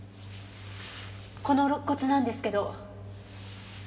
この肋骨なんですけど。